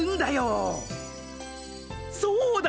そうだ！